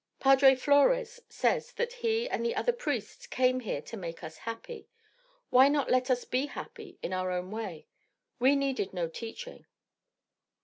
Padre Flores says that he and the other priests came here to make us happy. Why not let us be happy in our own way? We needed no teaching."